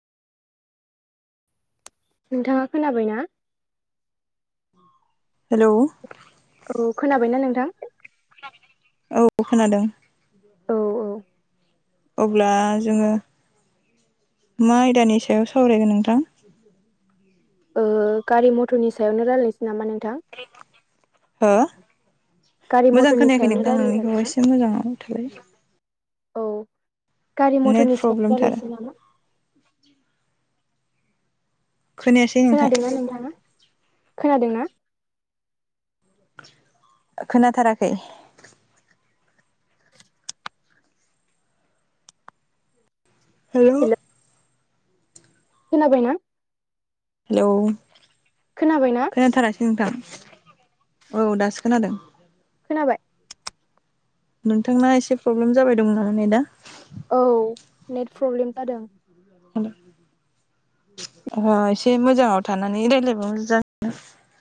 नोंथाङा खोनाबायना हेलौ, औ खोनाबायना नोंथां औ खोनादों औ औ अब्ला जोङो मा आयदानि सायाव सावरायगोन नोंथां [inaudible] ओ गारि मथरनि सायावनो रायलायनोसै नामा नोंथां हो गारि मोजां मथरनि खोनायाखै सायावनो नोंथां रायलायजागोन नोंनिखौ ना एसे मोजाङाव थालाय औ गारि नेट मथरनि सायाव प्रब्लेमथार रालायनोसै नामा खोनायासै नोंथां खोनादों ना नोंथाङा खोनादोंना खोनाथाराखै हेलौ, हेल' खोनाबायना हेलौ खोनाबायना खोनाथारासै नोंथां औ दासो खोनादों खोनाबाय नोंथांना एसे प्रब्लेम जाबाय दं ना नेदा? औ नेट प्रब्लेम जादों। अ एसे मोजाङाव थानानै रायलायबाबो जाग